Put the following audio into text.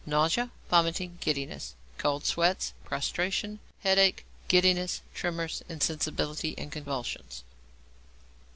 _ Nausea, vomiting, giddiness, cold sweats, prostration. Headache, giddiness, tremors, insensibility, and convulsions.